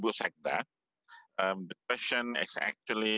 bagaimana cara kita mengatur pertanyaan jawab